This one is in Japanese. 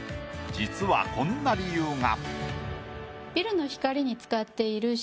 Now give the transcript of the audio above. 実はこんな理由が。